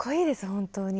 本当に。